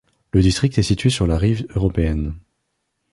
Le district est situé sur la rive européenne.